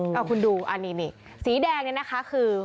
ฮาวคุณดูอันนี้นี่สีแดงนะคะคือ